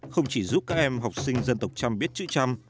không chỉ giúp các em học sinh dân tộc trăm biết chữ trăm